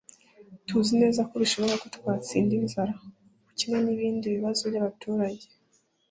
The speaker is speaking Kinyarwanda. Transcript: tuzi neza ko bishoboka ko twatsinda inzara, ubukene n'ibindi bibazo by'abaturage